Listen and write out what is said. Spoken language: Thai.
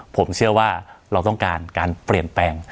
ผมเชื่อว่าเราต้องการการเปลี่ยนแปลง